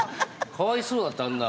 かわいそうだったあんな